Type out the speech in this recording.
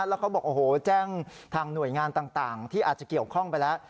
แล้วเขาบอกโอ้โหแจ้งทางหน่วยงานต่างที่อาจจะเกี่ยวข้องไปแล้ว